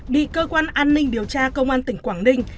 bị cơ quan an ninh điều tra công an tỉnh quảng ninh